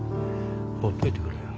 ほっといてくれよ。